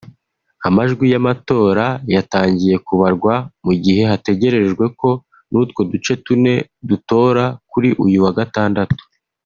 Amajwi y’amatora yatangiye kubarwa mu gihe hategerejwe ko n’utwo duce tune dutora kuri uyu wa Gatandatu